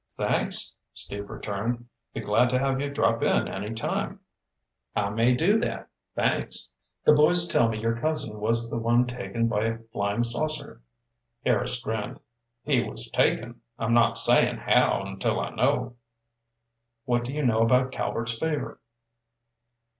"Thanks," Steve returned. "Be glad to have you drop in any time." "I may do that. Thanks." "The boys tell me your cousin was the one taken by a flying saucer." Harris grinned. "He was taken. I'm not sayin' how until I know." "What do you know about Calvert's Favor?"